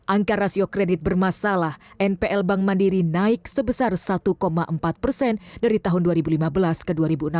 angka rasio kredit bermasalah npl bank mandiri naik sebesar satu empat persen dari tahun dua ribu lima belas ke dua ribu enam belas